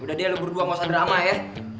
udah deh lo berdua gak usah drama ya